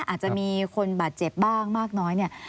อาจจะมีคนบาดเจ็บบ้างมากน้อยเนี่ย